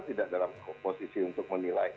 tidak dalam posisi untuk menilai